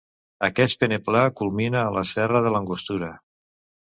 Aquest peneplà culmina a la serra de l'Angostura.